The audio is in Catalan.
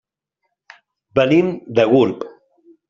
Venim de Gurb.